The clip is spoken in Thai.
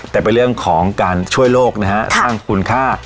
แต่เป็นเรื่องของการช่วยโลกนะฮะสร้างคุณค่า